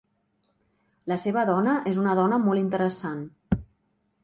La seva dona és una dona molt interessant.